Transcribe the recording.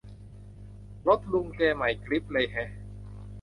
รถลุงแกใหม่กริ๊บเลยแฮะ